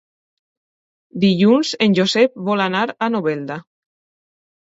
Dilluns en Josep vol anar a Novelda.